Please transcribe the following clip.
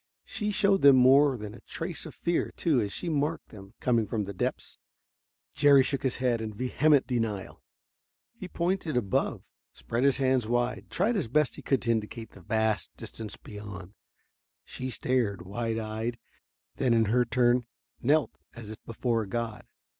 She showed them more than a trace of fear, too, as she marked them coming from the depths. Jerry shook his head in vehement denial. He pointed above, spread his hands wide, tried as best he could to indicate vast distance beyond. She stared, wide eyed, then in her turn knelt as if before a god.